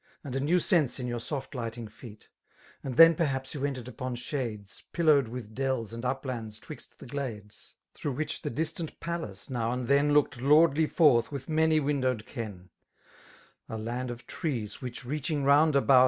And a new sense in yoUr soft lighting feet ; And then perhaps you ent4^ upon shades^ Pillowed with dells and uplands 'twixt the glades^ Through which the distant palace, now and then. Looked lordly forth with many windowed ken; A land of trees, which reaching round about.